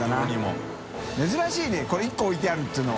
舛靴いこれ１個置いてあるっていうの。